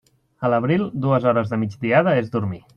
A l'abril, dues hores de migdiada és dormir.